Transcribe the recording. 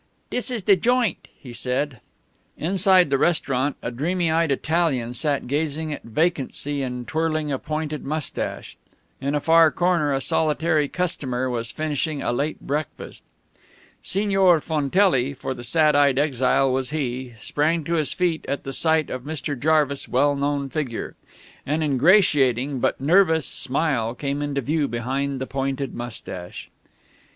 "Dis is de joint," he said. Inside the restaurant a dreamy eyed Italian sat gazing at vacancy and twirling a pointed mustache. In a far corner a solitary customer was finishing a late breakfast. Signor Fontelli, for the sad eyed exile was he, sprang to his feet at the sight of Mr. Jarvis' well known figure. An ingratiating, but nervous, smile came into view behind the pointed mustache.